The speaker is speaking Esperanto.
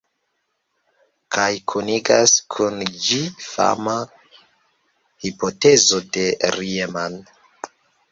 Kaj kunigas kun ĝi fama hipotezo de Riemann.